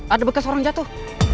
ada bekas orang jatuh